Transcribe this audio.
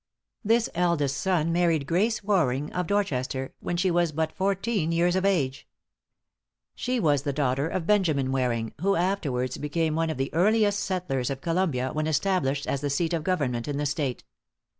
This eldest son married Grace Waring, of Dorchester, when she was but fourteen years of age. She was the daughter of Benjamin Waring, who afterwards became one of the earliest settlers of Columbia when established as the seat of government in the State.